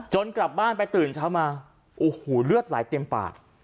กลับบ้านไปตื่นเช้ามาโอ้โหเลือดไหลเต็มปาก